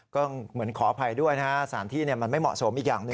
ก็เหมือนขออภัยด้วยนะฮะสารที่มันไม่เหมาะสมอีกอย่างหนึ่ง